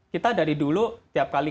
kita dari dulu tiap kali